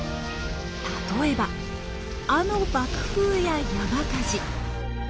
例えばあの爆風や山火事。